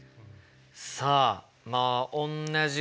さあまあおんなじ